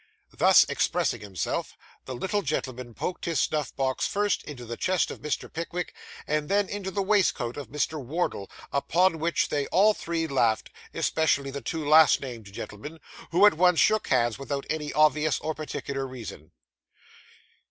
Thus expressing himself, the little gentleman poked his snuff box first into the chest of Mr. Pickwick, and then into the waistcoat of Mr. Wardle, upon which they all three laughed, especially the two last named gentlemen, who at once shook hands again, without any obvious or particular reason.